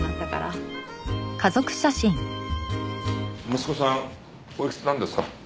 息子さんおいくつなんですか？